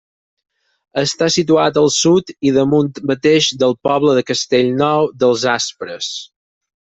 Està situat al sud i damunt mateix del poble de Castellnou dels Aspres.